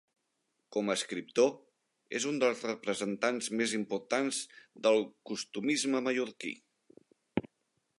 Com a escriptor, és un dels representants més importants del costumisme mallorquí.